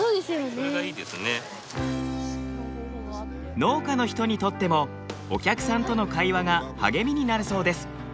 農家の人にとってもお客さんとの会話が励みになるそうです。